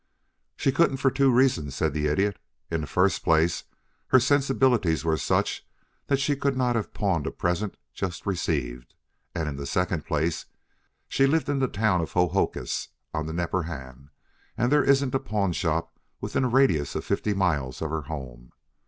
"She couldn't for two reasons," said the Idiot. "In the first place, her sensibilities were such that she could not have pawned a present just received, and, in the second place, she lived in the town of Hohokus on the Nepperhan, and there isn't a pawnshop within a radius of fifty miles of her home.